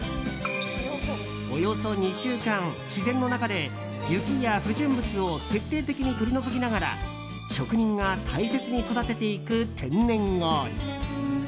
およそ２週間、自然の中で雪や不純物を徹底的に取り除きながら職人が大切に育てていく天然氷。